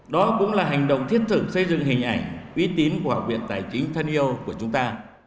đó cũng là hành động thiết thực xây dựng hình ảnh uy tín của học viện tài chính thân yêu của chúng ta